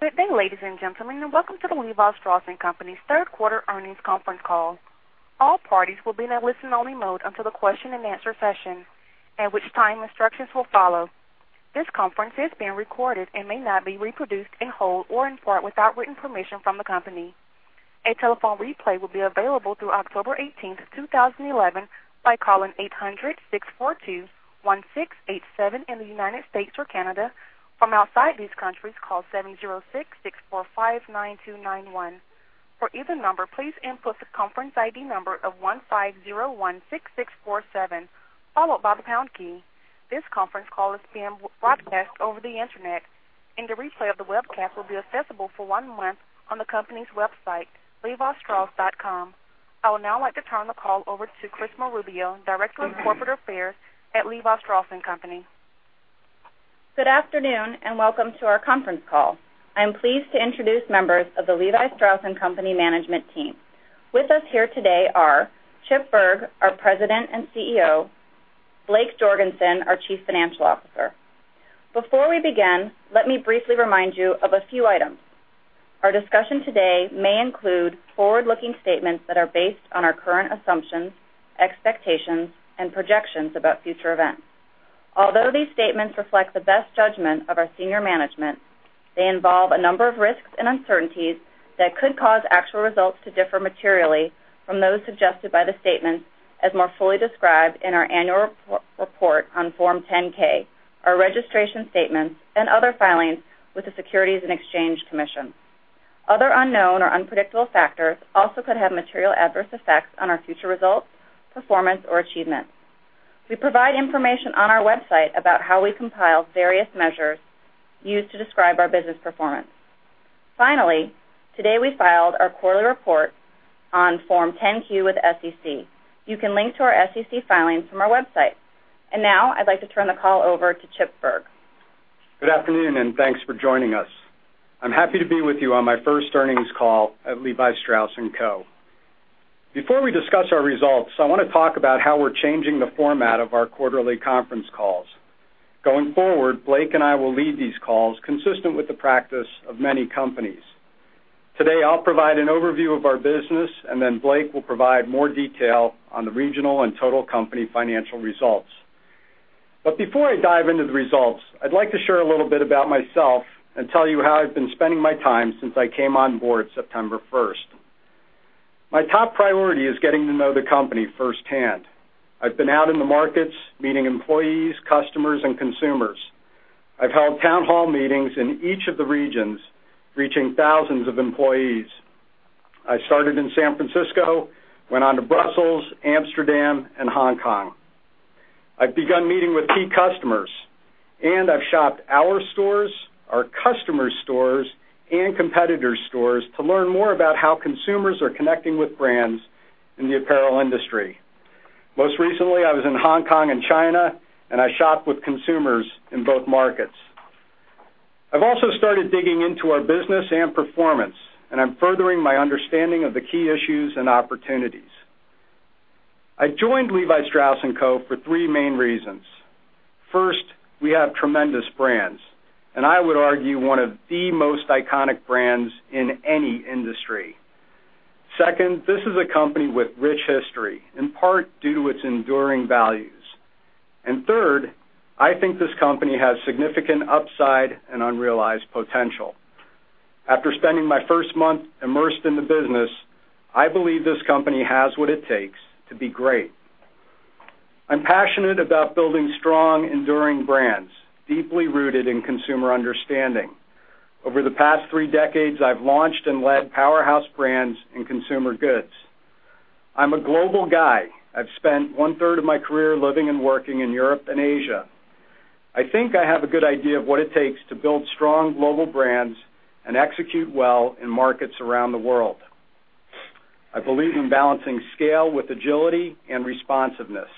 Good day, ladies and gentlemen, and welcome to the Levi Strauss & Co.'s Third Quarter Earnings Conference Call. All parties will be in a listen-only mode until the question and answer session, at which time instructions will follow. This conference is being recorded and may not be reproduced in whole or in part without written permission from the company. A telephone replay will be available through October 18, 2011, by calling 800-642-1687 in the United States or Canada. From outside these countries, call 706-645-9291. For either number, please input the conference ID number of 15016647, followed by the pound key. This conference call is being broadcast over the internet, and the replay of the webcast will be accessible for one month on the company's website, levistrauss.com. I would now like to turn the call over to Chris Marubio, Director of Corporate Affairs at Levi Strauss & Co. Good afternoon, and welcome to our conference call. I am pleased to introduce members of the Levi Strauss & Co. management team. With us here today are Chip Bergh, our President and CEO, and Blake Jorgensen, our Chief Financial Officer. Before we begin, let me briefly remind you of a few items. Our discussion today may include forward-looking statements that are based on our current assumptions, expectations, and projections about future events. Although these statements reflect the best judgment of our senior management, they involve a number of risks and uncertainties that could cause actual results to differ materially from those suggested by the statements, as more fully described in our annual report on Form 10-K, our registration statements, and other filings with the Securities and Exchange Commission. Other unknown or unpredictable factors also could have material adverse effects on our future results, performance, or achievements. We provide information on our website about how we compile various measures used to describe our business performance. Finally, today we filed our quarterly report on Form 10-Q with the SEC. You can link to our SEC filings from our website. I would like to turn the call over to Chip Bergh. Good afternoon, and thanks for joining us. I'm happy to be with you on my first earnings call at Levi Strauss & Co. Before we discuss our results, I want to talk about how we're changing the format of our quarterly conference calls. Going forward, Blake and I will lead these calls, consistent with the practice of many companies. Today, I'll provide an overview of our business, and then Blake will provide more detail on the regional and total company financial results. Before I dive into the results, I'd like to share a little bit about myself and tell you how I've been spending my time since I came on board September 1. My top priority is getting to know the company firsthand. I've been out in the markets, meeting employees, customers, and consumers. I've held town hall meetings in each of the regions, reaching thousands of employees. I started in San Francisco, went on to Brussels, Amsterdam, and Hong Kong. I've begun meeting with key customers, and I've shopped our stores, our customers' stores, and competitors' stores to learn more about how consumers are connecting with brands in the apparel industry. Most recently, I was in Hong Kong and China, and I shopped with consumers in both markets. I've also started digging into our business and performance, and I'm furthering my understanding of the key issues and opportunities. I joined Levi Strauss & Co. for three main reasons. First, we have tremendous brands, and I would argue one of the most iconic brands in any industry. Second, this is a company with rich history, in part due to its enduring values. Third, I think this company has significant upside and unrealized potential. After spending my first month immersed in the business, I believe this company has what it takes to be great. I'm passionate about building strong, enduring brands, deeply rooted in consumer understanding. Over the past three decades, I've launched and led powerhouse brands in consumer goods. I'm a global guy. I've spent one-third of my career living and working in Europe and Asia. I think I have a good idea of what it takes to build strong global brands and execute well in markets around the world. I believe in balancing scale with agility and responsiveness.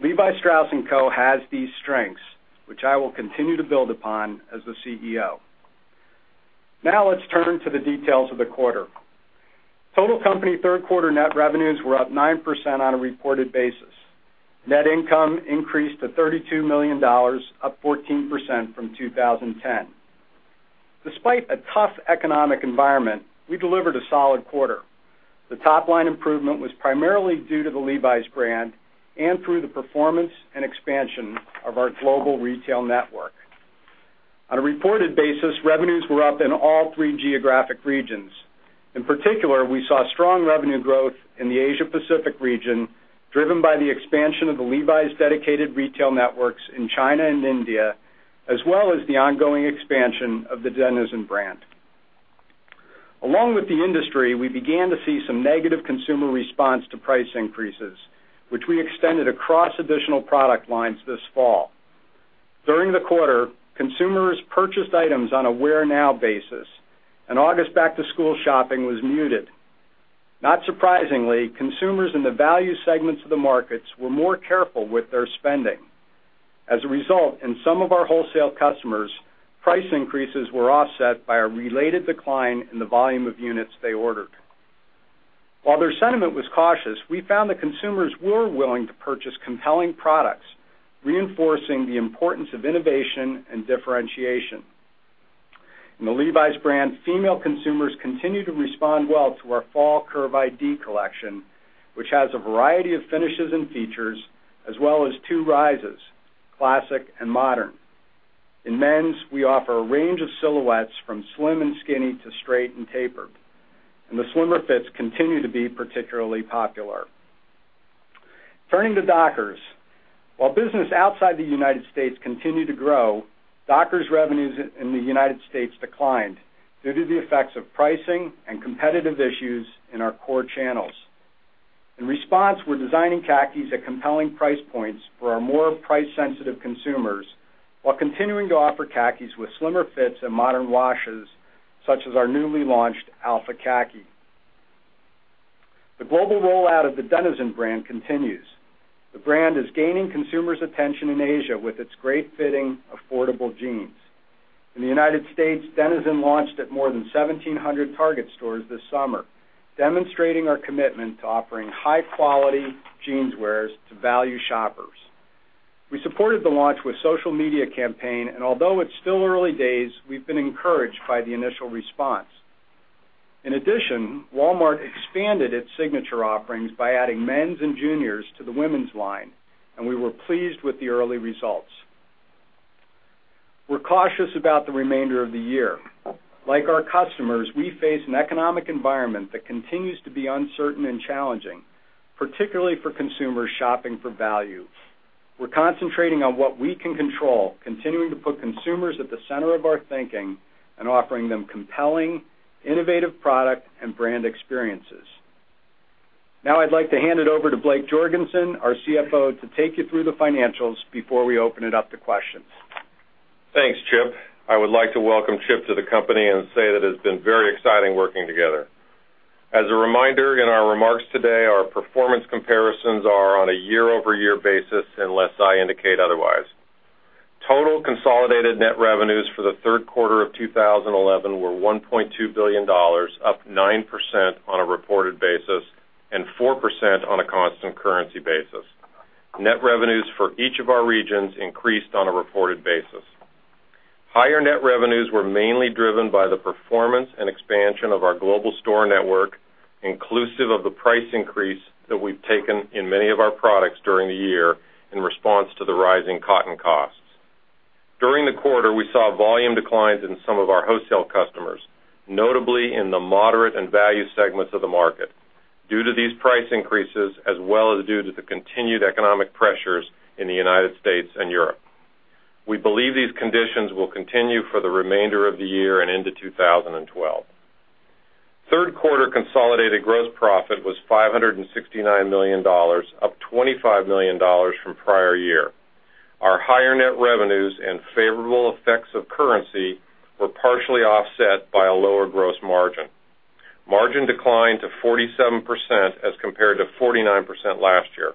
Levi Strauss & Co. has these strengths, which I will continue to build upon as the CEO. Now, let's turn to the details of the quarter. Total company third-quarter net revenues were up 9% on a reported basis. Net income increased to $32 million, up 14% from 2010. Despite a tough economic environment, we delivered a solid quarter. The top-line improvement was primarily due to the Levi's brand and through the performance and expansion of our global retail network. On a reported basis, revenues were up in all three geographic regions. In particular, we saw strong revenue growth in the Asia-Pacific region, driven by the expansion of the Levi's dedicated retail networks in China and India, as well as the ongoing expansion of the Denizen brand. Along with the industry, we began to see some negative consumer response to price increases, which we extended across additional product lines this fall. During the quarter, consumers purchased items on a wear-now basis, and August back-to-school shopping was muted. Not surprisingly, consumers in the value segments of the markets were more careful with their spending. As a result, in some of our wholesale customers, price increases were offset by a related decline in the volume of units they ordered. While their sentiment was cautious, we found that consumers were willing to purchase compelling products, reinforcing the importance of innovation and differentiation. In the Levi's brand, female consumers continue to respond well to our fall Curve ID collection, which has a variety of finishes and features, as well as two rises: classic and modern. In men's, we offer a range of silhouettes from slim and skinny to straight and tapered, and the slimmer fits continue to be particularly popular. Turning to Dockers, while business outside the United States continued to grow, Dockers' revenues in the United States declined due to the effects of pricing and competitive issues in our core channels. In response, we're designing khakis at compelling price points for our more price-sensitive consumers, while continuing to offer khakis with slimmer fits and modern washes, such as our newly launched Alpha Khaki. The global rollout of the Denizen brand continues. The brand is gaining consumers' attention in Asia with its great-fitting, affordable jeans. In the United States, Denizen launched at more than 1,700 Target stores this summer, demonstrating our commitment to offering high-quality jeanswear to value shoppers. We supported the launch with a social media campaign, and although it's still early days, we've been encouraged by the initial response. In addition, Walmart expanded its Signature by Levi Strauss & Co. offerings by adding men's and juniors to the women's line, and we were pleased with the early results. We're cautious about the remainder of the year. Like our customers, we face an economic environment that continues to be uncertain and challenging, particularly for consumers shopping for value. We're concentrating on what we can control, continuing to put consumers at the center of our thinking and offering them compelling, innovative product and brand experiences. Now, I'd like to hand it over to Blake Jorgensen, our CFO, to take you through the financials before we open it up to questions. Thanks, Chip. I would like to welcome Chip to the company and say that it's been very exciting working together. As a reminder, in our remarks today, our performance comparisons are on a year-over-year basis, unless I indicate otherwise. Total consolidated net revenues for the third quarter of 2011 were $1.2 billion, up 9% on a reported basis and 4% on a constant currency basis. Net revenues for each of our regions increased on a reported basis. Higher net revenues were mainly driven by the performance and expansion of our global store network, inclusive of the price increase that we've taken in many of our products during the year in response to the rising cotton costs. During the quarter, we saw volume declines in some of our wholesale customers, notably in the moderate and value segments of the market, due to these price increases, as well as due to the continued economic pressures in the United States and Europe. We believe these conditions will continue for the remainder of the year and into 2012. Third quarter consolidated gross profit was $569 million, up $25 million from prior year. Our higher net revenues and favorable effects of currency were partially offset by a lower gross margin. Margin declined to 47% as compared to 49% last year,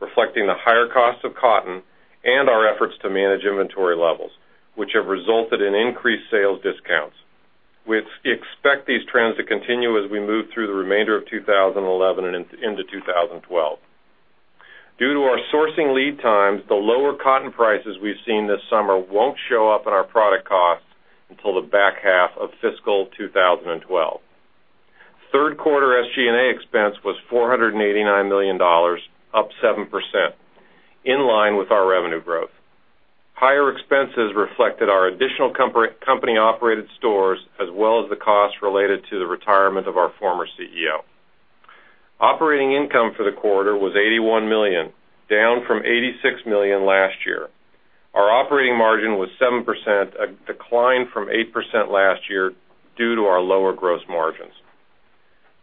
reflecting the higher cost of cotton and our efforts to manage inventory levels, which have resulted in increased sales discounts. We expect these trends to continue as we move through the remainder of 2011 and into 2012. Due to our sourcing lead times, the lower cotton prices we've seen this summer won't show up in our product costs until the back half of fiscal 2012. Third quarter SG&A expense was $489 million, up 7%, in line with our revenue growth. Higher expenses reflected our additional company-operated stores, as well as the costs related to the retirement of our former CEO. Operating income for the quarter was $81 million, down from $86 million last year. Our operating margin was 7%, a decline from 8% last year due to our lower gross margins.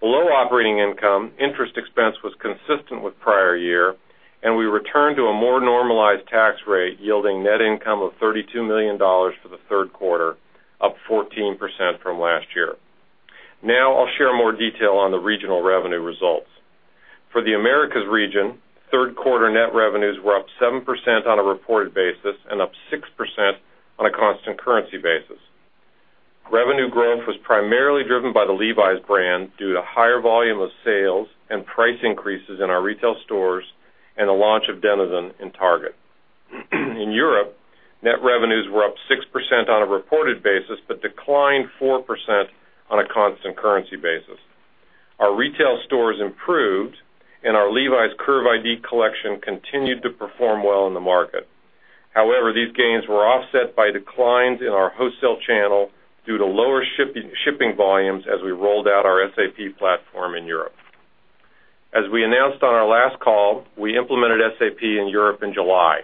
Below operating income, interest expense was consistent with prior year, and we returned to a more normalized tax rate, yielding net income of $32 million for the third quarter, up 14% from last year. Now, I'll share more detail on the regional revenue results. For the Americas region, third quarter net revenues were up 7% on a reported basis and up 6% on a constant currency basis. Revenue growth was primarily driven by the Levi's brand due to a higher volume of sales and price increases in our retail stores and the launch of Denizen in Target. In Europe, net revenues were up 6% on a reported basis but declined 4% on a constant currency basis. Our retail stores improved, and our Levi's Curve ID collection continued to perform well in the market. However, these gains were offset by declines in our wholesale channel due to lower shipping volumes as we rolled out our SAP platform in Europe. As we announced on our last call, we implemented SAP in Europe in July.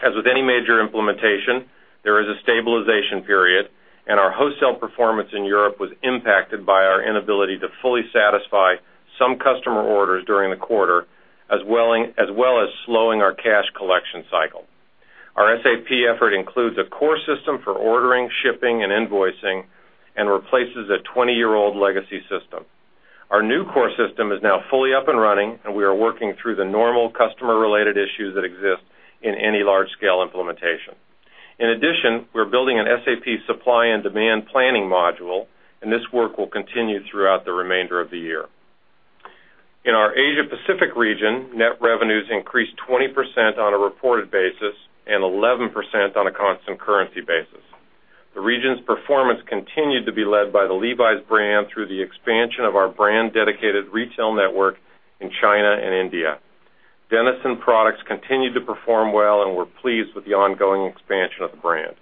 As with any major implementation, there is a stabilization period, and our wholesale performance in Europe was impacted by our inability to fully satisfy some customer orders during the quarter, as well as slowing our cash collection cycle. Our SAP effort includes a core system for ordering, shipping, and invoicing and replaces a 20-year-old legacy system. Our new core system is now fully up and running, and we are working through the normal customer-related issues that exist in any large-scale implementation. In addition, we're building an SAP supply and demand planning module, and this work will continue throughout the remainder of the year. In our Asia-Pacific region, net revenues increased 20% on a reported basis and 11% on a constant currency basis. The region's performance continued to be led by the Levi's brand through the expansion of our brand-dedicated retail network in China and India. Denizen products continued to perform well and we're pleased with the ongoing expansion of the brand.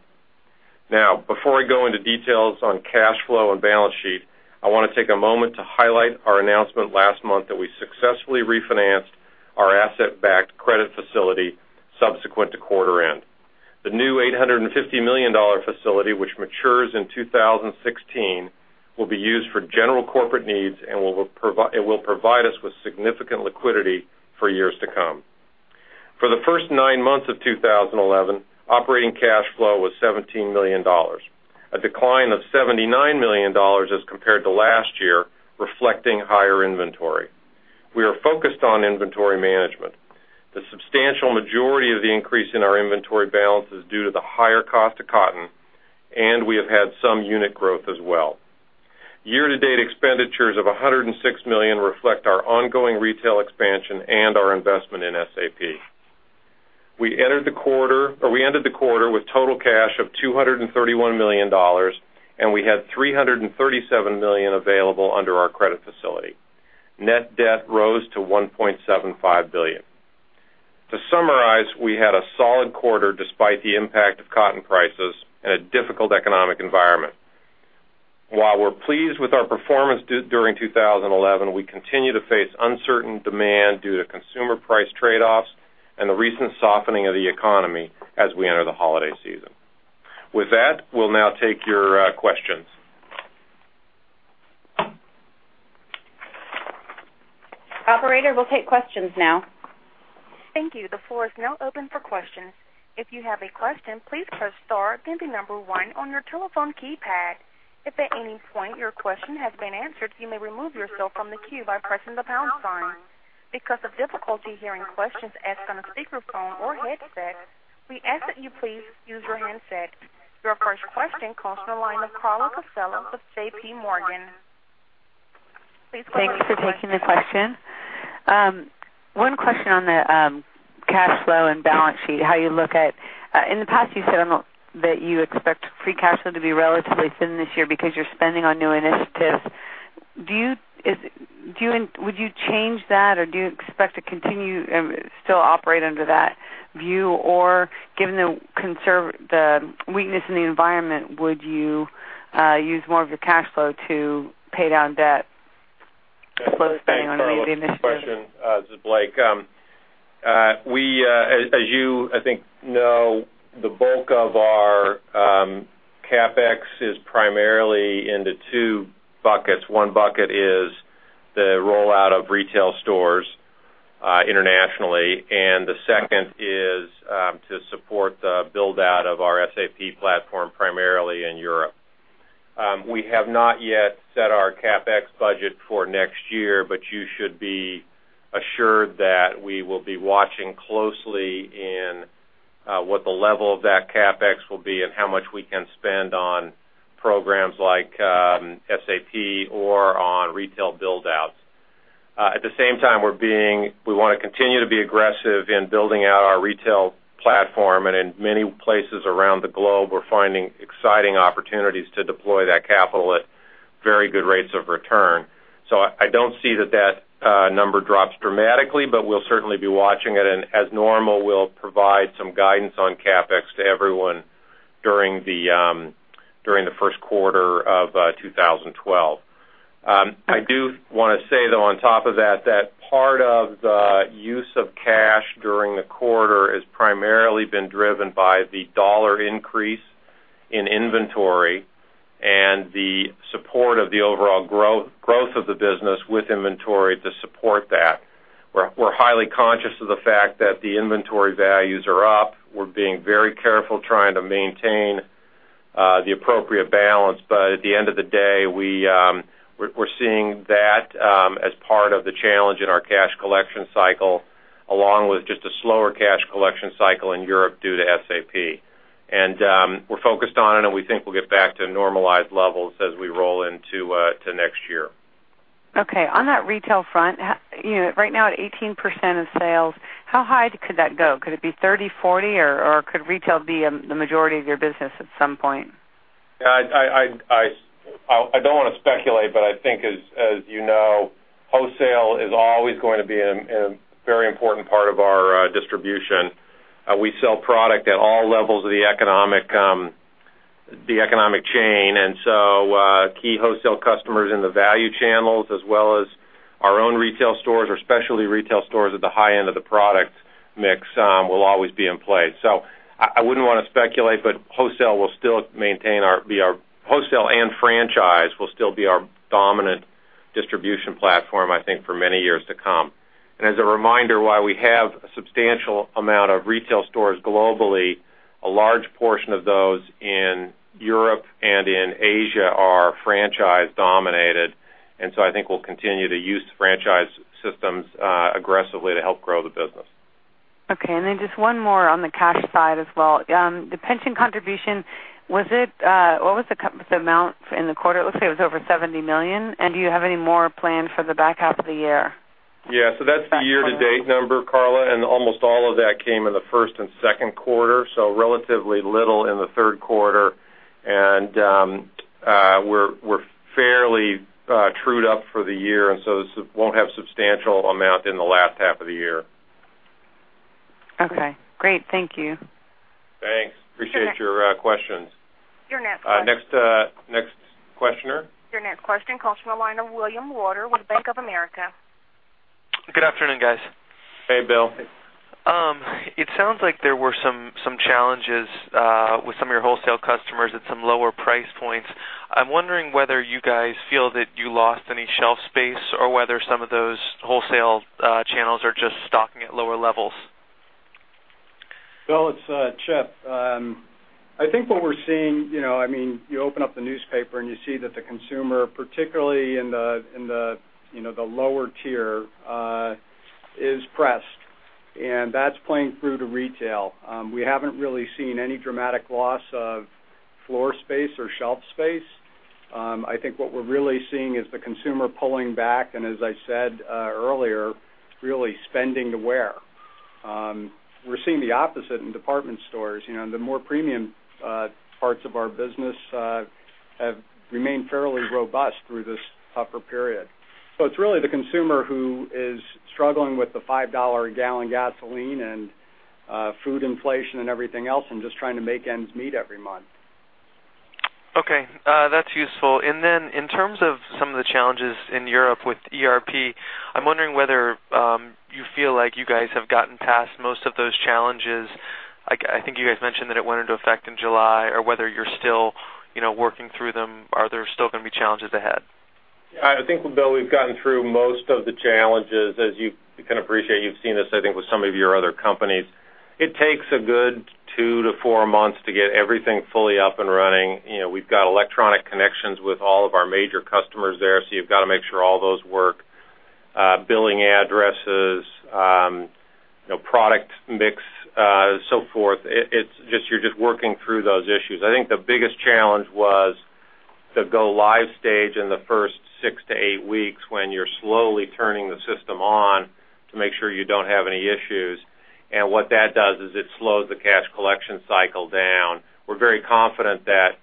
Now, before I go into details on cash flow and balance sheet, I want to take a moment to highlight our announcement last month that we successfully refinanced our asset-backed credit facility subsequent to quarter end. The new $850 million facility, which matures in 2016, will be used for general corporate needs, and it will provide us with significant liquidity for years to come. For the first nine months of 2011, operating cash flow was $17 million, a decline of $79 million as compared to last year, reflecting higher inventory. We are focused on inventory management. The substantial majority of the increase in our inventory balance is due to the higher cost of cotton, and we have had some unit growth as well. Year-to-date expenditures of $106 million reflect our ongoing retail expansion and our investment in SAP. We ended the quarter with total cash of $231 million, and we had $337 million available under our credit facility. Net debt rose to $1.75 billion. To summarize, we had a solid quarter despite the impact of cotton prices and a difficult economic environment. While we're pleased with our performance during 2011, we continue to face uncertain demand due to consumer price trade-offs and the recent softening of the economy as we enter the holiday season. With that, we'll now take your questions. Operator, we'll take questions now. Thank you. The floor is now open for questions. If you have a question, please press star then the number one on your telephone keypad. If at any point your question has been answered, you may remove yourself from the queue by pressing the pound sign. Because of difficulty hearing questions asked on a speakerphone or headset, we ask that you please use your handset. Your first question comes from a line of Carla Costello with JP Morgan. Please take it. Thanks for taking the question. One question on the cash flow and balance sheet, how you look at in the past, you said that you expect free cash flow to be relatively thin this year because you're spending on new initiatives. Do you expect to continue still operate under that view, or given the weakness in the environment, would you use more of the cash flow to pay down debt and slow the spending on new initiatives? That's a great question, Blake. As you, I think, know, the bulk of our CapEx is primarily into two buckets. One bucket is the rollout of retail stores internationally, and the second is to support the build-out of our SAP platform primarily in Europe. We have not yet set our CapEx budget for next year, but you should be assured that we will be watching closely what the level of that CapEx will be and how much we can spend on programs like SAP or on retail build-outs. At the same time, we want to continue to be aggressive in building out our retail platform, and in many places around the globe, we're finding exciting opportunities to deploy that capital at very good rates of return. I don't see that that number drops dramatically, but we'll certainly be watching it, and as normal, we'll provide some guidance on CapEx to everyone during the first quarter of 2012. I do want to say, though, on top of that, that part of the use of cash during the quarter has primarily been driven by the dollar increase in inventory and the support of the overall growth of the business with inventory to support that. We're highly conscious of the fact that the inventory values are up. We're being very careful trying to maintain the appropriate balance, but at the end of the day, we're seeing that as part of the challenge in our cash collection cycle, along with just a slower cash collection cycle in Europe due to SAP. We're focused on it, and we think we'll get back to normalized levels as we roll into next year. Okay. On that retail front, you know right now at 18% of sales, how high could that go? Could it be 30%, 40%, or could retail be the majority of your business at some point? Yeah, I don't want to speculate, but I think, as you know, wholesale is always going to be a very important part of our distribution. We sell product at all levels of the economic chain, and key wholesale customers in the value channels, as well as our own retail stores or specialty retail stores at the high end of the product mix, will always be in play. I wouldn't want to speculate, but wholesale will still maintain our wholesale and franchise will still be our dominant distribution platform, I think, for many years to come. As a reminder, while we have a substantial amount of retail stores globally, a large portion of those in Europe and in Asia are franchise-dominated, and I think we'll continue to use franchise systems aggressively to help grow the business. Okay. Just one more on the cash side as well. The pension contribution, what was the amount in the quarter? It looks like it was over $70 million. Do you have any more planned for the back half of the year? Yeah. That's the year-to-date number, Carla, and almost all of that came in the first and second quarter, so relatively little in the third quarter. We're fairly trued up for the year, so this won't have a substantial amount in the last half of the year. Okay. Great. Thank you. Thanks. Appreciate your questions. Your next question comes from the line of William Water with Bank of America. Good afternoon, guys. Hey, Bill. It sounds like there were some challenges with some of your wholesale customers at some lower price points. I'm wondering whether you guys feel that you lost any shelf space or whether some of those wholesale channels are just stocking at lower levels. I think what we're seeing, you know, you open up the newspaper and you see that the consumer, particularly in the lower tier, is pressed, and that's playing through to retail. We haven't really seen any dramatic loss of floor space or shelf space. I think what we're really seeing is the consumer pulling back and, as I said earlier, really spending to wear. We're seeing the opposite in department stores. The more premium parts of our business have remained fairly robust through this upper period. It's really the consumer who is struggling with the $5 a gallon gasoline and food inflation and everything else and just trying to make ends meet every month. Okay. That's useful. In terms of some of the challenges in Europe with ERP, I'm wondering whether you feel like you guys have gotten past most of those challenges. I think you guys mentioned that it went into effect in July, or whether you're still working through them. Are there still going to be challenges ahead? Yeah. I think, Bill, we've gotten through most of the challenges. As you can appreciate, you've seen this, I think, with some of your other companies. It takes a good two to four months to get everything fully up and running. We've got electronic connections with all of our major customers there, so you've got to make sure all those work. Billing addresses, product mix, so forth. You're just working through those issues. I think the biggest challenge was the go-live stage in the first six to eight weeks when you're slowly turning the system on to make sure you don't have any issues. What that does is it slows the cash collection cycle down. We're very confident that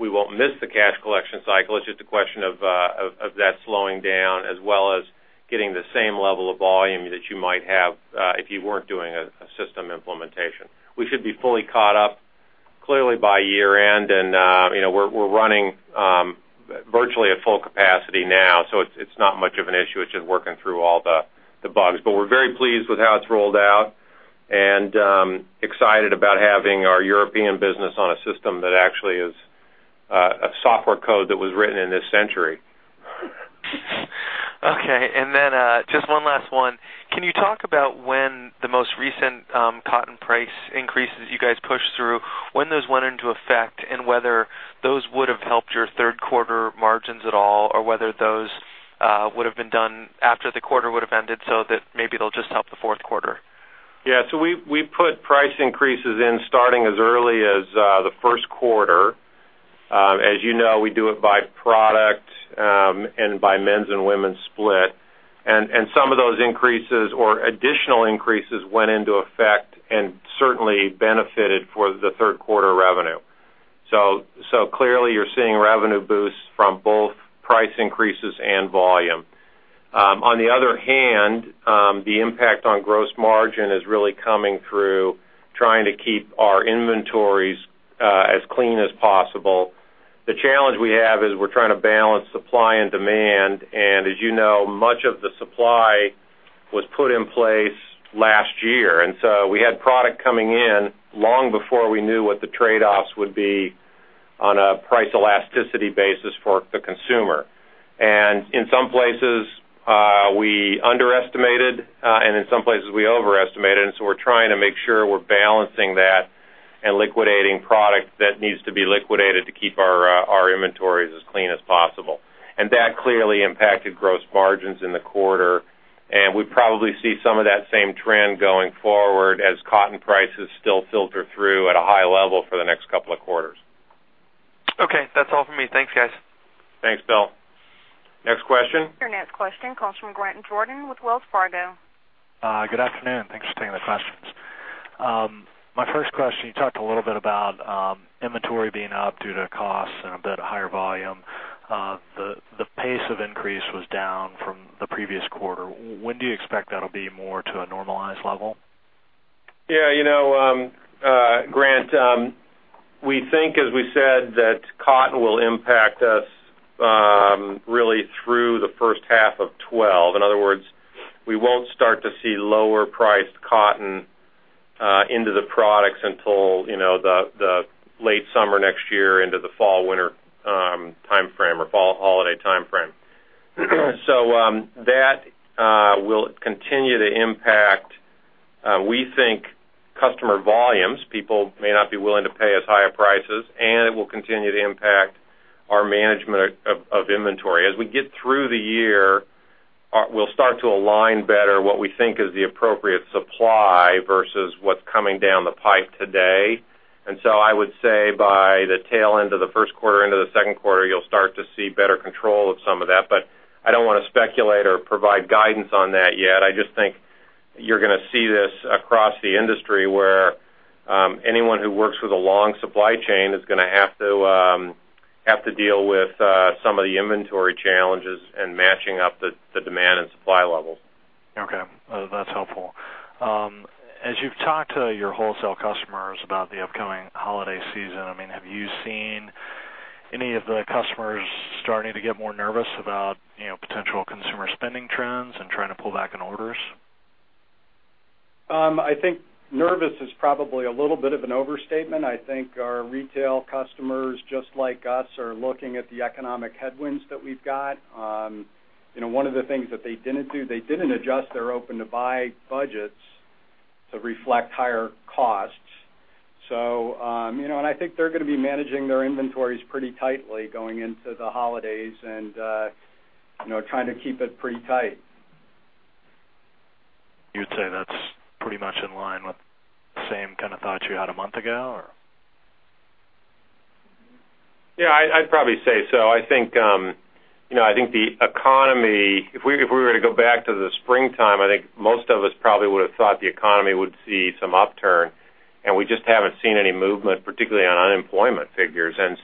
we won't miss the cash collection cycle. It's just a question of that slowing down, as well as getting the same level of volume that you might have if you weren't doing a system implementation. We should be fully caught up clearly by year-end, and we're running virtually at full capacity now, so it's not much of an issue. It's just working through all the bugs. We're very pleased with how it's rolled out and excited about having our European business on a system that actually is a software code that was written in this century. Okay. Just one last one. Can you talk about when the most recent cotton price increases you guys pushed through, when those went into effect, and whether those would have helped your third-quarter margins at all, or whether those would have been done after the quarter would have ended so that maybe they'll just help the fourth quarter? Yeah. We put price increases in starting as early as the first quarter. As you know, we do it by product and by men's and women's split. Some of those increases or additional increases went into effect and certainly benefited the third-quarter revenue. Clearly, you're seeing revenue boosts from both price increases and volume. On the other hand, the impact on gross margin is really coming through trying to keep our inventories as clean as possible. The challenge we have is we're trying to balance supply and demand. As you know, much of the supply was put in place last year. We had product coming in long before we knew what the trade-offs would be on a price elasticity basis for the consumer. In some places, we underestimated, and in some places, we overestimated. We're trying to make sure we're balancing that and liquidating product that needs to be liquidated to keep our inventories as clean as possible. That clearly impacted gross margins in the quarter. We probably see some of that same trend going forward as cotton prices still filter through at a high level for the next couple of quarters. Okay, that's all for me. Thanks, guys. Thanks, Bill. Next question. Your next question comes from Grant and Jordan with Wells Fargo. Good afternoon. Thanks for taking the questions. My first question, you talked a little bit about inventory being up due to costs and a bit higher volume. The pace of increase was down from the previous quarter. When do you expect that'll be more to a normalized level? Yeah. You know, Grant, we think, as we said, that cotton will impact us really through the first half of 2012. In other words, we won't start to see lower-priced cotton into the products until, you know, the late summer next year into the fall-winter time frame or fall holiday time frame. That will continue to impact, we think, customer volumes. People may not be willing to pay as high prices, and it will continue to impact our management of inventory. As we get through the year, we'll start to align better what we think is the appropriate supply versus what's coming down the pipe today. I would say by the tail end of the first quarter into the second quarter, you'll start to see better control of some of that. I don't want to speculate or provide guidance on that yet. I just think you're going to see this across the industry where anyone who works with a long supply chain is going to have to deal with some of the inventory challenges and matching up the demand and supply levels. Okay. That's helpful. As you've talked to your wholesale customers about the upcoming holiday season, have you seen any of the customers starting to get more nervous about potential consumer spending trends and trying to pull back in orders? I think nervous is probably a little bit of an overstatement. I think our retail customers, just like us, are looking at the economic headwinds that we've got. One of the things that they didn't do, they didn't adjust their open-to-buy budgets to reflect higher costs. I think they're going to be managing their inventories pretty tightly going into the holidays and trying to keep it pretty tight. You would say that's pretty much in line with the same kind of thoughts you had a month ago? Yeah, I'd probably say so. I think the economy, if we were to go back to the springtime, I think most of us probably would have thought the economy would see some upturn, and we just haven't seen any movement, particularly on unemployment figures. I'd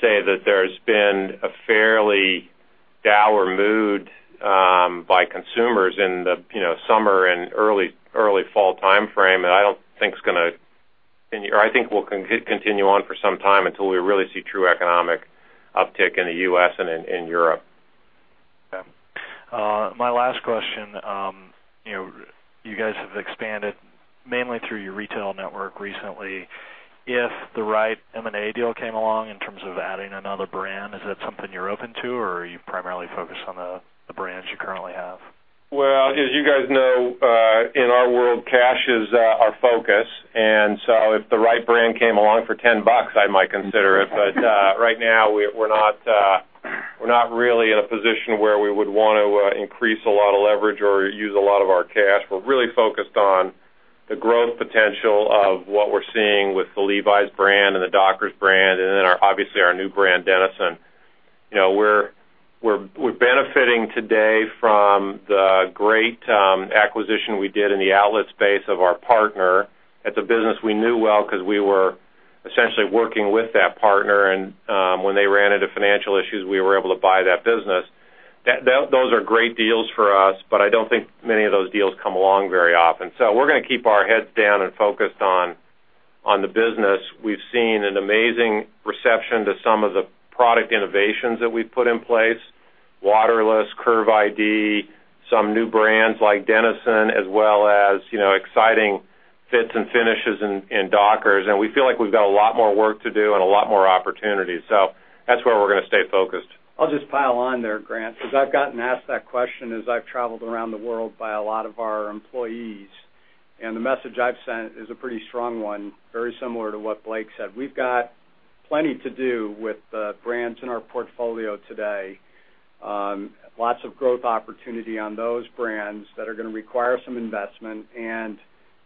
say that there's been a fairly downward mood by consumers in the summer and early fall time frame, and I don't think it's going to, or I think we'll continue on for some time until we really see true economic uptick in the U.S. and in Europe. Yeah. My last question, you know, you guys have expanded mainly through your retail network recently. If the right M&A deal came along in terms of adding another brand, is that something you're open to, or are you primarily focused on the brands you currently have? As you guys know, in our world, cash is our focus. If the right brand came along for $10, I might consider it. Right now, we're not really in a position where we would want to increase a lot of leverage or use a lot of our cash. We're really focused on the growth potential of what we're seeing with the Levi's brand and the Dockers brand and, obviously, our new brand, Denizen. We're benefiting today from the great acquisition we did in the outlet space of our partner. It's a business we knew well because we were essentially working with that partner, and when they ran into financial issues, we were able to buy that business. Those are great deals for us, but I don't think many of those deals come along very often. We are going to keep our heads down and focused on the business. We've seen an amazing reception to some of the product innovations that we've put in place: Waterless, Curve ID, some new brands like Denizen, as well as exciting fits and finishes in Dockers. We feel like we've got a lot more work to do and a lot more opportunities. That's where we're going to stay focused. I'll just pile on there, Grant, because I've gotten asked that question as I've traveled around the world by a lot of our employees. The message I've sent is a pretty strong one, very similar to what Blake said. We've got plenty to do with the brands in our portfolio today, lots of growth opportunity on those brands that are going to require some investment, and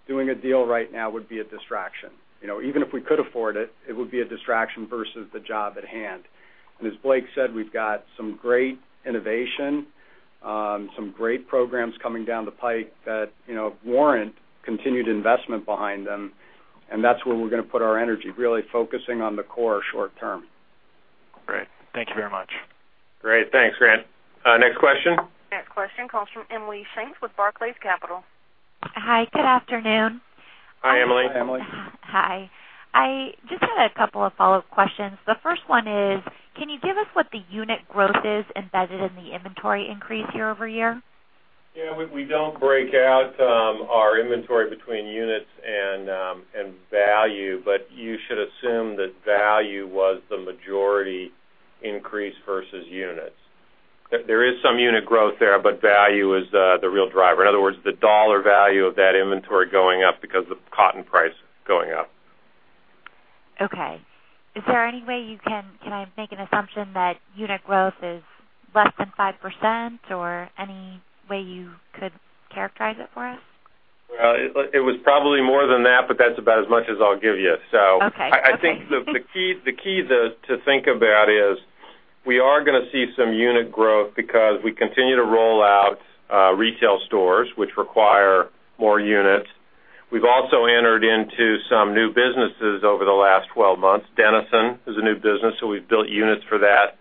doing a deal right now would be a distraction. Even if we could afford it, it would be a distraction versus the job at hand. As Blake said, we've got some great innovation, some great programs coming down the pike that warrant continued investment behind them. That's where we're going to put our energy, really focusing on the core short term. Great, thank you very much. Great. Thanks, Grant. Next question. Next question comes from Emily Saints with Barclays Capital. Hi, good afternoon. Hi, Emily. Hi. I just had a couple of follow-up questions. The first one is, can you give us what the unit growth is embedded in the inventory increase year over year? We don't break out our inventory between units and value, but you should assume that value was the majority increase versus units. There is some unit growth there, but value is the real driver. In other words, the dollar value of that inventory going up because of the cotton price going up. Okay. Is there any way you can, can I make an assumption that unit growth is less than 5% or any way you could characterize it for us? It was probably more than that, but that's about as much as I'll give you. I think the key to think about is we are going to see some unit growth because we continue to roll out retail stores, which require more units. We've also entered into some new businesses over the last 12 months. Denizen is a new business, so we've built units for that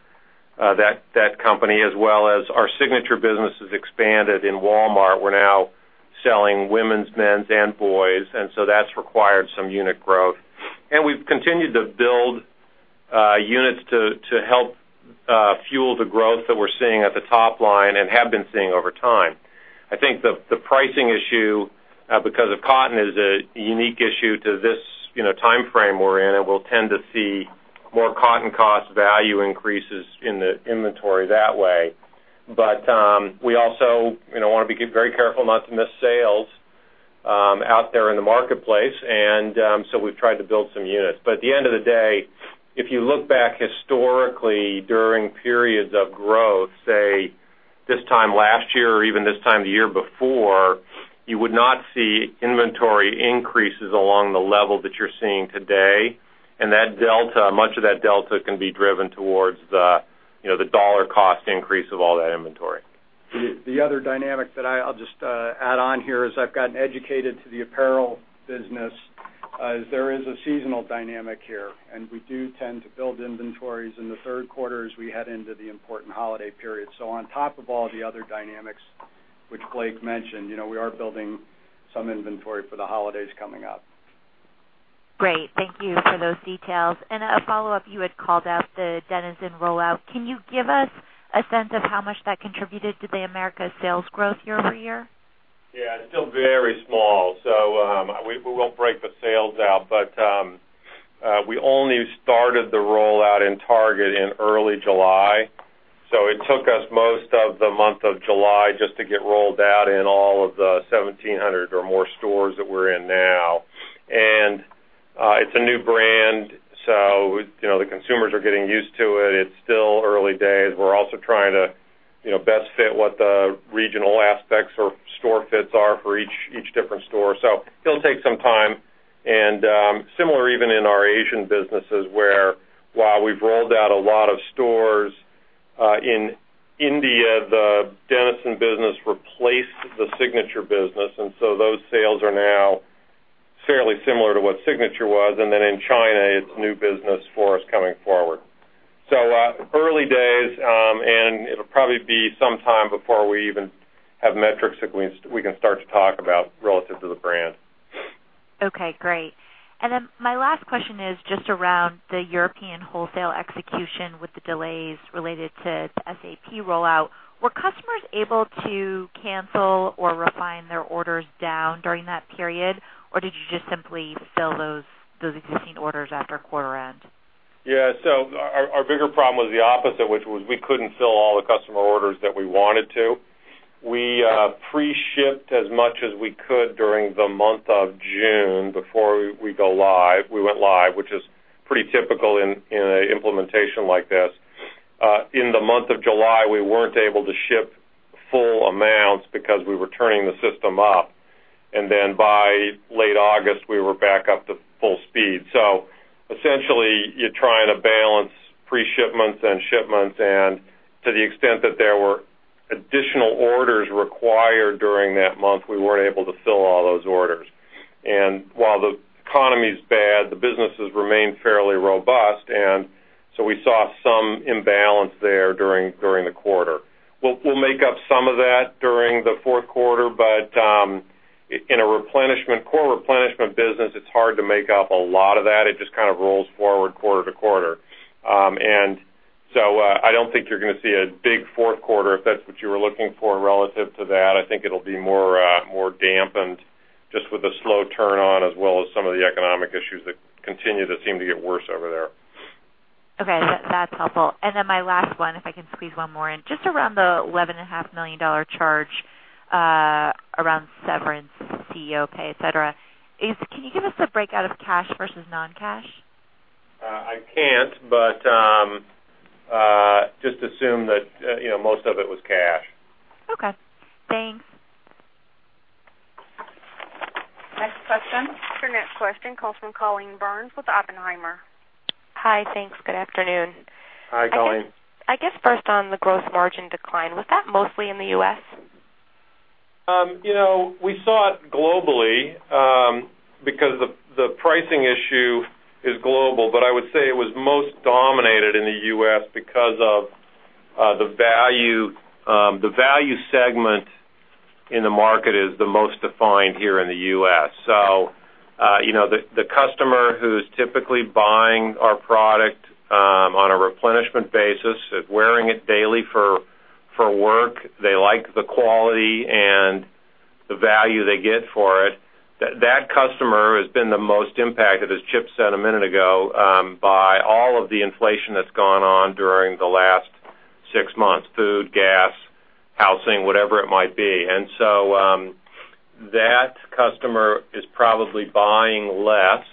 company, as well as our Signature by Levi Strauss & Co. business has expanded in Walmart. We're now selling women's, men's, and boys', and that's required some unit growth. We've continued to build units to help fuel the growth that we're seeing at the top line and have been seeing over time. I think the pricing issue, because of cotton, is a unique issue to this time frame we're in, and we'll tend to see more cotton cost value increases in the inventory that way. We also want to be very careful not to miss sales out there in the marketplace, and we've tried to build some units. At the end of the day, if you look back historically during periods of growth, say this time last year or even this time the year before, you would not see inventory increases along the level that you're seeing today. That delta, much of that delta, can be driven towards the dollar cost increase of all that inventory. The other dynamic that I'll just add on here as I've gotten educated to the apparel business is there is a seasonal dynamic here, and we do tend to build inventories in the third quarter as we head into the important holiday period. On top of all the other dynamics which Blake Jorgensen mentioned, we are building some inventory for the holidays coming up. Great. Thank you for those details. A follow-up, you had called out the Denizen rollout. Can you give us a sense of how much that contributed to the America sales growth year over year? Yeah. It's still very small, so we won't break the sales out, but we only started the rollout in Target in early July. It took us most of the month of July just to get rolled out in all of the 1,700 or more stores that we're in now. It's a new brand, so the consumers are getting used to it. It's still early days. We're also trying to best fit what the regional aspects or store fits are for each different store. It'll take some time. Similar even in our Asian businesses, where while we've rolled out a lot of stores, in India, the Denizen business replaced the Signature by Levi Strauss & Co. business, and those sales are now fairly similar to what Signature by Levi Strauss & Co. was. In China, it's a new business for us coming forward. It's early days, and it'll probably be some time before we even have metrics that we can start to talk about relative to the brand. Okay. Great. My last question is just around the European wholesale execution with the delays related to SAP rollout. Were customers able to cancel or refine their orders down during that period, or did you just simply fill those existing orders after quarter end? Yeah. Our bigger problem was the opposite, which was we couldn't fill all the customer orders that we wanted to. We pre-shipped as much as we could during the month of June before we go live. We went live, which is pretty typical in an implementation like this. In the month of July, we weren't able to ship full amounts because we were turning the system up. By late August, we were back up to full speed. Essentially, you're trying to balance pre-shipments and shipments. To the extent that there were additional orders required during that month, we weren't able to fill all those orders. While the economy's bad, the businesses remain fairly robust. We saw some imbalance there during the quarter. We'll make up some of that during the fourth quarter, but in a core replenishment business, it's hard to make up a lot of that. It just kind of rolls forward quarter to quarter. I don't think you're going to see a big fourth quarter if that's what you were looking for relative to that. I think it'll be more dampened just with a slow turn-on as well as some of the economic issues that continue to seem to get worse over there. Okay. That's helpful. My last one, if I can squeeze one more in, just around the $11.5 million charge, around severance, CEO pay, etc. Can you give us a breakout of cash versus non-cash? I can't, just assume that, you know, most of it was cash. Okay. Thanks. Next question. Next question comes from Colleen Burns with Oppenheimer. Hi, thanks. Good afternoon. Hi, Colleen. I guess first on the gross margin decline, was that mostly in the U.S.? We saw it globally, because the pricing issue is global, but I would say it was most dominated in the U.S. because the value segment in the market is the most defined here in the U.S. The customer who's typically buying our product on a replenishment basis, wearing it daily for work, they like the quality and the value they get for it. That customer has been the most impacted, as Chip said a minute ago, by all of the inflation that's gone on during the last six months: food, gas, housing, whatever it might be. That customer is probably buying less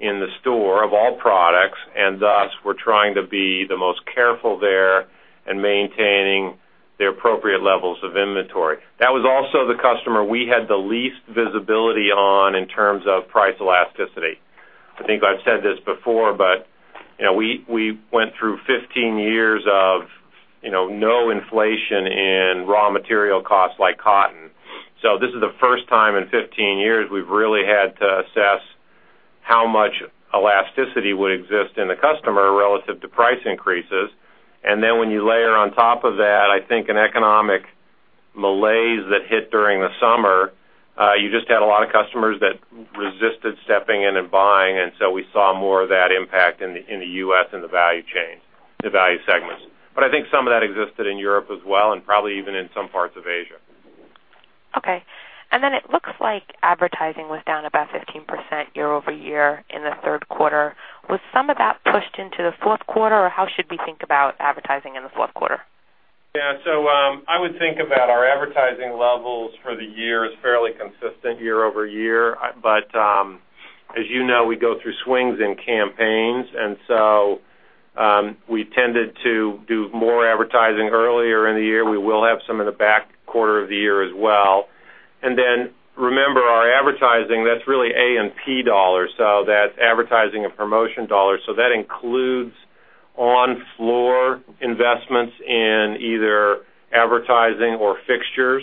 in the store of all products, and thus, we're trying to be the most careful there and maintaining the appropriate levels of inventory. That was also the customer we had the least visibility on in terms of price elasticity. I think I've said this before, but we went through 15 years of no inflation in raw material costs like cotton. This is the first time in 15 years we've really had to assess how much elasticity would exist in the customer relative to price increases. When you layer on top of that, I think an economic malaise that hit during the summer, you just had a lot of customers that resisted stepping in and buying. We saw more of that impact in the U.S. and the value chains, the value segments. I think some of that existed in Europe as well and probably even in some parts of Asia. Okay. It looks like advertising was down about 15% year over year in the third quarter. Was some of that pushed into the fourth quarter, or how should we think about advertising in the fourth quarter? Yeah. I would think about our advertising levels for the year as fairly consistent year over year. As you know, we go through swings in campaigns, and we tended to do more advertising earlier in the year. We will have some in the back quarter of the year as well. Remember, our advertising, that's really A&P dollars, so that's advertising and promotion dollars. That includes on-floor investments in either advertising or fixtures.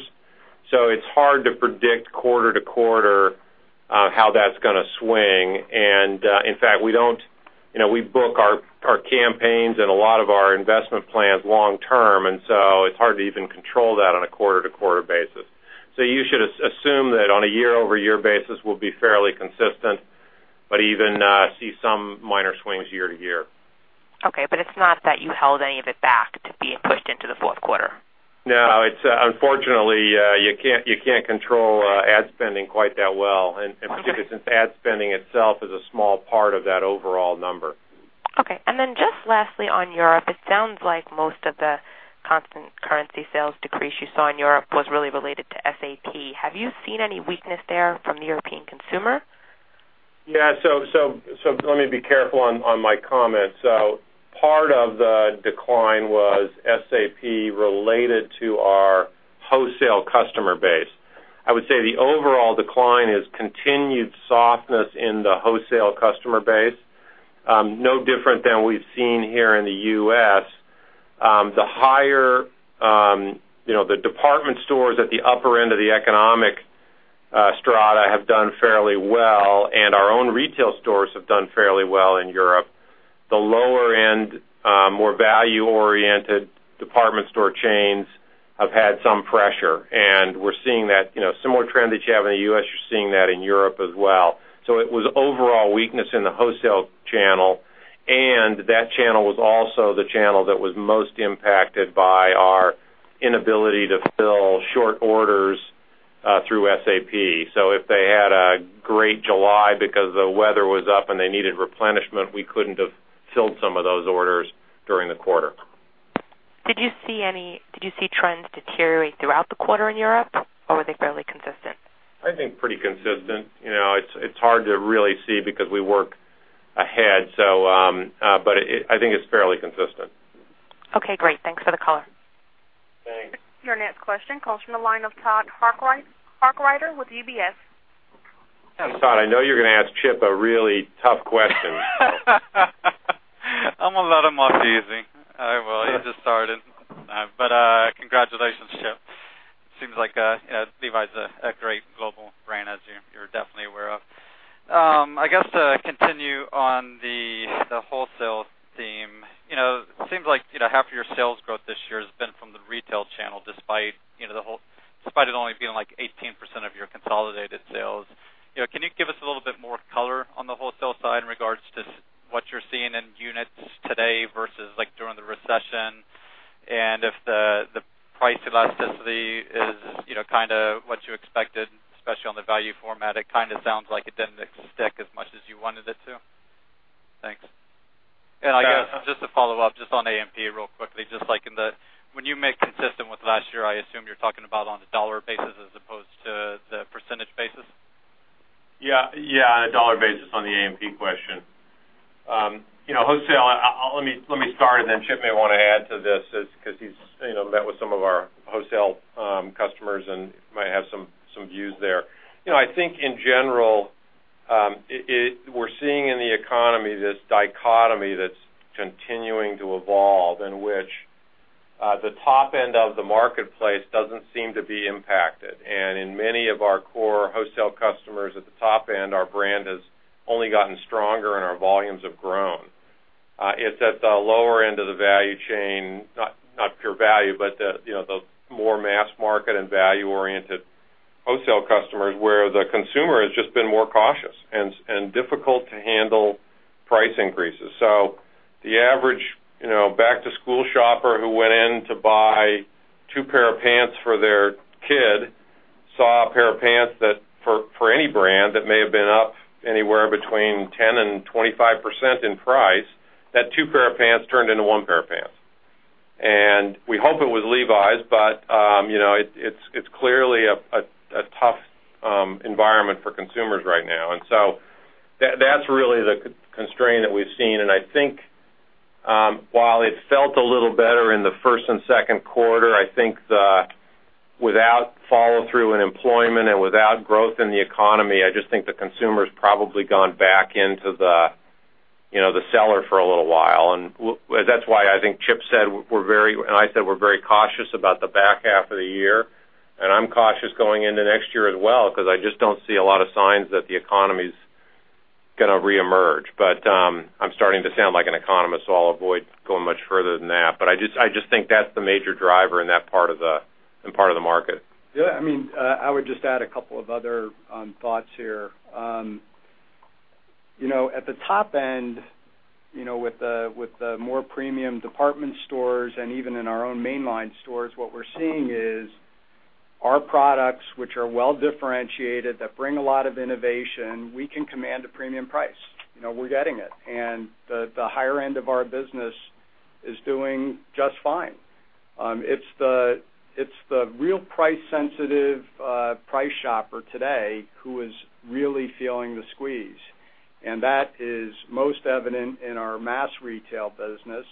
It's hard to predict quarter to quarter how that's going to swing. In fact, we book our campaigns and a lot of our investment plans long term, so it's hard to even control that on a quarter-to-quarter basis. You should assume that on a year-over-year basis, we'll be fairly consistent, but even see some minor swings year to year. Okay, it's not that you held any of it back to being pushed into the fourth quarter? No. Unfortunately, you can't control ad spending quite that well. If it's ad spending itself, it's a small part of that overall number. Okay. Lastly, on Europe, it sounds like most of the constant currency sales decrease you saw in Europe was really related to SAP. Have you seen any weakness there from the European consumer? Yeah. Let me be careful on my comments. Part of the decline was SAP related to our wholesale customer base. I would say the overall decline is continued softness in the wholesale customer base, no different than we've seen here in the U.S. The higher, you know, the department stores at the upper end of the economic strata have done fairly well, and our own retail stores have done fairly well in Europe. The lower-end, more value-oriented department store chains have had some pressure. We're seeing that, you know, similar trend that you have in the U.S., you're seeing that in Europe as well. It was overall weakness in the wholesale channel. That channel was also the channel that was most impacted by our inability to fill short orders through SAP. If they had a great July because the weather was up and they needed replenishment, we couldn't have filled some of those orders during the quarter. Did you see any trends deteriorate throughout the quarter in Europe, or were they fairly consistent? I think it's pretty consistent. You know, it's hard to really see because we work ahead, but I think it's fairly consistent. Okay. Great. Thanks for the call. Thanks. Your next question comes from the line of Todd Hargreider with UBS. Todd, I know you're going to ask Chip a really tough question. I'm going to let him off too easy. I will. He just started. Congratulations, Chip. Seems like Levi's a great global brand, as you're definitely aware of. To continue on the wholesale theme, it seems like half of your sales growth this year has been from the retail channel, despite it only being like 18% of your consolidated sales. Can you give us a little bit more color on the wholesale side in regards to what you're seeing in units today versus during the recession? If the price elasticity is kind of what you expected, especially on the value format, it kind of sounds like it didn't stick as much as you wanted it to. Thanks. Just to follow up on A&P real quickly, just like when you make consistent with last year, I assume you're talking about on the dollar basis as opposed to the percentage basis? Yeah. Yeah, on a dollar basis on the A&P question. Let me start, and then Chip may want to add to this because he's met with some of our wholesale customers and might have some views there. I think in general, we're seeing in the economy this dichotomy that's continuing to evolve in which the top end of the marketplace doesn't seem to be impacted. In many of our core wholesale customers at the top end, our brand has only gotten stronger and our volumes have grown. It's at the lower end of the value chain, not pure value, but the more mass market and value-oriented wholesale customers where the consumer has just been more cautious and difficult to handle price increases. The average back-to-school shopper who went in to buy two pair of pants for their kid saw a pair of pants that for any brand may have been up anywhere between 10% and 25% in price. That two pair of pants turned into one pair of pants. We hope it was Levi's, but it's clearly a tough environment for consumers right now. That is really the constraint that we've seen. While it felt a little better in the first and second quarter, without follow-through in employment and without growth in the economy, I just think the consumer's probably gone back into the cellar for a little while. That's why I think Chip said we're very, and I said we're very cautious about the back half of the year. I'm cautious going into next year as well because I just don't see a lot of signs that the economy's going to reemerge. I'm starting to sound like an economist, so I'll avoid going much further than that. I just think that's the major driver in that part of the market. Yeah. I would just add a couple of other thoughts here. At the top end, with the more premium department stores and even in our own mainline stores, what we're seeing is our products, which are well-differentiated, that bring a lot of innovation, we can command a premium price. We're getting it. The higher end of our business is doing just fine. It's the real price-sensitive, price shopper today who is really feeling the squeeze. That is most evident in our mass retail business,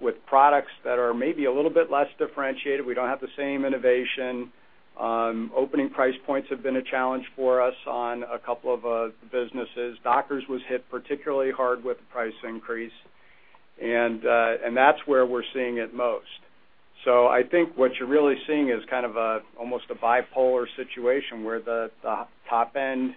with products that are maybe a little bit less differentiated. We don't have the same innovation. Opening price points have been a challenge for us on a couple of the businesses. Dockers was hit particularly hard with the price increase, and that's where we're seeing it most. I think what you're really seeing is kind of almost a bipolar situation where the top end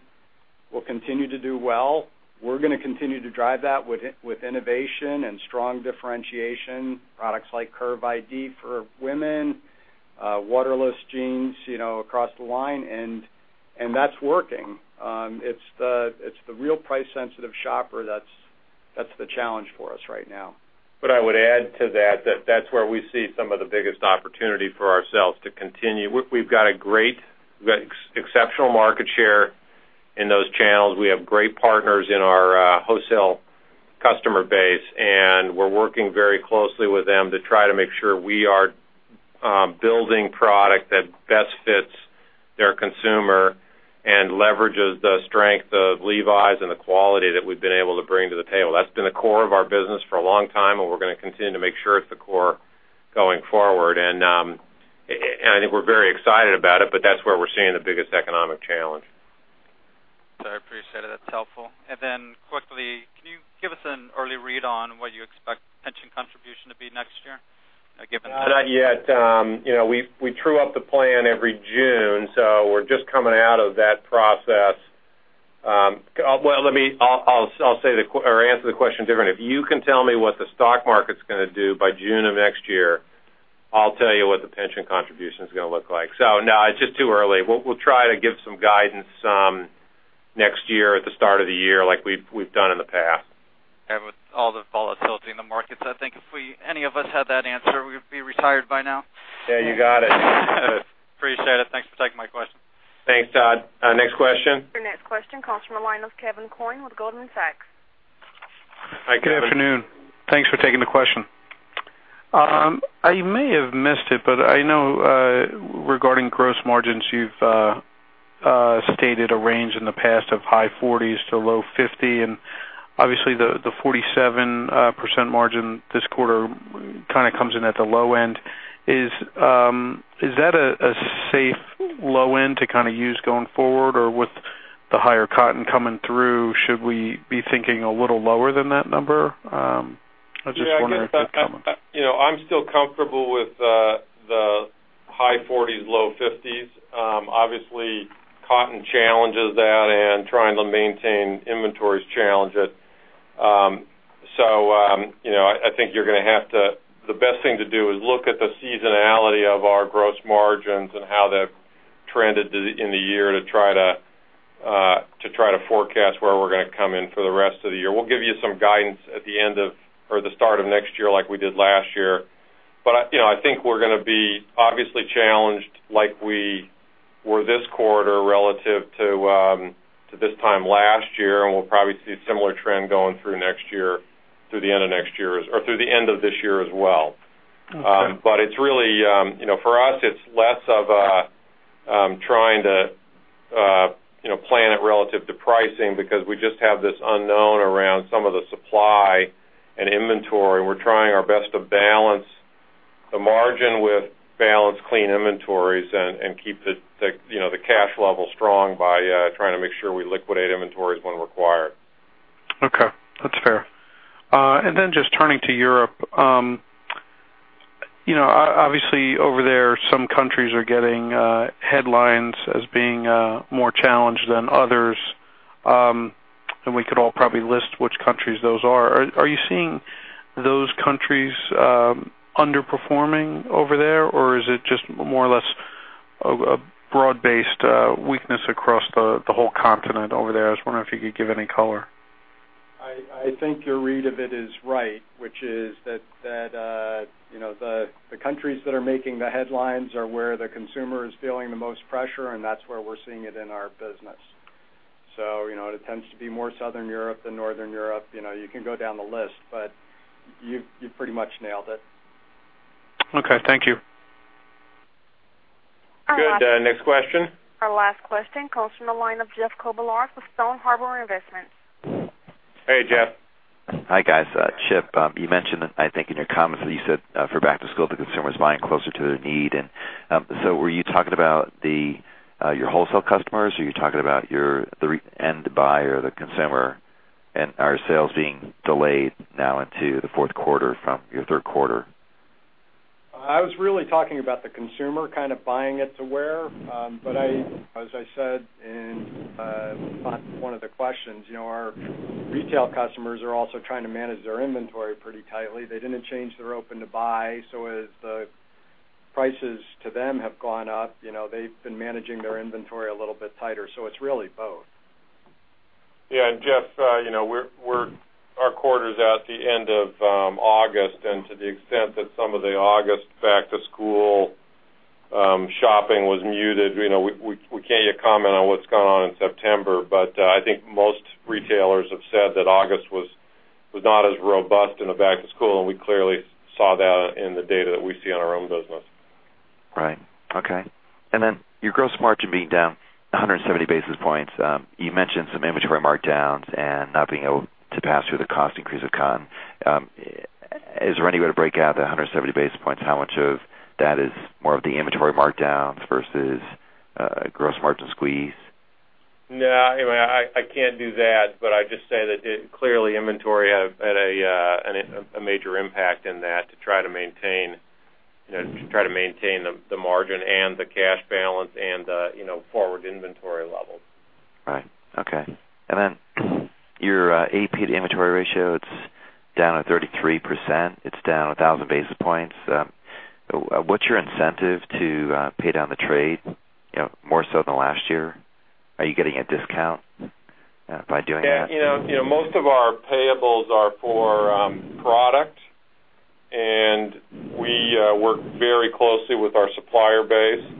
will continue to do well. We're going to continue to drive that with innovation and strong differentiation, products like Curve ID for women, Waterless Jeans, you know, across the line, and that's working. It's the real price-sensitive shopper that's the challenge for us right now. I would add to that that that's where we see some of the biggest opportunity for ourselves to continue. We've got a great, we've got exceptional market share in those channels. We have great partners in our wholesale customer base, and we're working very closely with them to try to make sure we are building product that best fits their consumer and leverages the strength of Levi's and the quality that we've been able to bring to the table. That's been the core of our business for a long time, and we're going to continue to make sure it's the core going forward. I think we're very excited about it, but that's where we're seeing the biggest economic challenge. I appreciate it. That's helpful. Can you give us an early read on what you expect pension contribution to be next year, given? Not yet. You know, we true up the plan every June, so we're just coming out of that process. I'll answer the question different. If you can tell me what the stock market's going to do by June of next year, I'll tell you what the pension contribution is going to look like. No, it's just too early. We'll try to give some guidance next year at the start of the year like we've done in the past. With all the volatility in the markets, I think if any of us had that answer, we'd be retired by now. Yeah, you got it. Appreciate it. Thanks for taking my question. Thanks, Todd. Next question. Your next question comes from the line of Kevin Coyne with Goldman Sachs. Hi. Good afternoon. Thanks for taking the question. I may have missed it, but I know, regarding gross margins, you've stated a range in the past of high 40s to low 50s. Obviously, the 47% margin this quarter kind of comes in at the low end. Is that a safe low end to kind of use going forward, or with the higher cotton coming through, should we be thinking a little lower than that number? I'm just wondering if that's coming. Yeah, I'm still comfortable with the high 40s, low 50s. Obviously, cotton challenges that, and trying to maintain inventories challenges it. I think the best thing to do is look at the seasonality of our gross margins and how they've trended in the year to try to forecast where we're going to come in for the rest of the year. We'll give you some guidance at the end of or the start of next year like we did last year. I think we're going to be obviously challenged like we were this quarter relative to this time last year, and we'll probably see a similar trend going through next year, through the end of next year or through the end of this year as well. It's really, for us, less of trying to plan it relative to pricing because we just have this unknown around some of the supply and inventory. We're trying our best to balance the margin with balanced clean inventories and keep the cash level strong by trying to make sure we liquidate inventories when required. Okay. That's fair. Turning to Europe, obviously, over there, some countries are getting headlines as being more challenged than others. We could all probably list which countries those are. Are you seeing those countries underperforming over there, or is it just more or less a broad-based weakness across the whole continent over there? I was wondering if you could give any color. I think your read of it is right, which is that, you know, the countries that are making the headlines are where the consumer is feeling the most pressure, and that's where we're seeing it in our business. It tends to be more Southern Europe than Northern Europe. You can go down the list, but you've pretty much nailed it. Okay, thank you. All right. Good. Next question. Our last question comes from the line of Jeff Kobelaar with Stone Harbor Investments. Hey, Jeff. Hi, guys. Chip, you mentioned that I think in your comments that you said for back-to-school, the consumer's buying closer to their need. Were you talking about your wholesale customers? Are you talking about the end buyer, the consumer, and our sales being delayed now into the fourth quarter from your third quarter? I was really talking about the consumer kind of buying it to wear. As I said in one of the questions, our retail customers are also trying to manage their inventory pretty tightly. They didn't change their open to buy. As the prices to them have gone up, they've been managing their inventory a little bit tighter. It's really both. Jeff, our quarter's at the end of August. To the extent that some of the August back-to-school shopping was muted, we can't yet comment on what's going on in September. I think most retailers have said that August was not as robust in the back-to-school, and we clearly saw that in the data that we see in our own business. Right. Okay. Your gross margin being down 170 basis points, you mentioned some inventory markdowns and not being able to pass through the cost increase of cotton. Is there any way to break out the 170 basis points? How much of that is more of the inventory markdowns versus a gross margin squeeze? No, I mean, I can't do that, but I just say that clearly inventory had a major impact in that to try to maintain, you know, to try to maintain the margin and the cash balance and the, you know, forward inventory level. Right. Okay. Your AP to inventory ratio, it's down to 33%. It's down 1,000 basis points. What's your incentive to pay down the trade, you know, more so than last year? Are you getting a discount by doing that? Yeah. Most of our payables are for product, and we work very closely with our supplier base.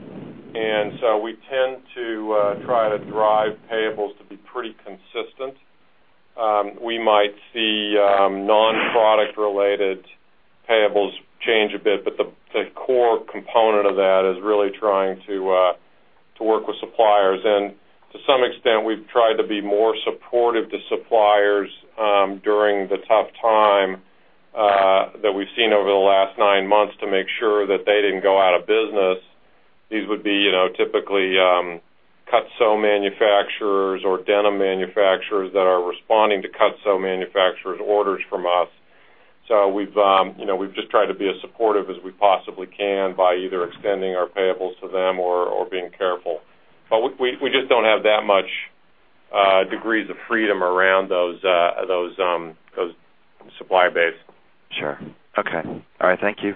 We tend to try to drive payables to be pretty consistent. We might see non-product-related payables change a bit, but the core component of that is really trying to work with suppliers. To some extent, we've tried to be more supportive to suppliers during the tough time that we've seen over the last nine months to make sure that they didn't go out of business. These would be typically cut-sew manufacturers or denim manufacturers that are responding to cut-sew manufacturers' orders from us. We've just tried to be as supportive as we possibly can by either extending our payables to them or being careful. We just don't have that much degrees of freedom around those supply base. Sure. Okay. All right. Thank you.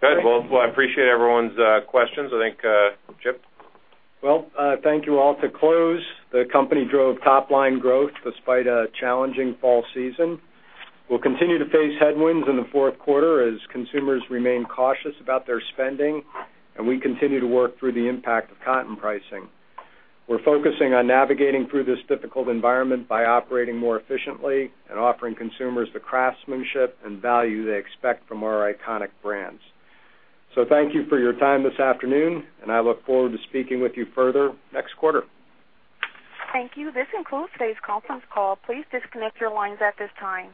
Good. I appreciate everyone's questions. I think, Chip. Thank you all. To close, the company drove top-line growth despite a challenging fall season. We will continue to face headwinds in the fourth quarter as consumers remain cautious about their spending, and we continue to work through the impact of cotton pricing. We are focusing on navigating through this difficult environment by operating more efficiently and offering consumers the craftsmanship and value they expect from our iconic brands. Thank you for your time this afternoon, and I look forward to speaking with you further next quarter. Thank you. This concludes today's conference call. Please disconnect your lines at this time.